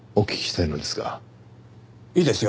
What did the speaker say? いいですよ。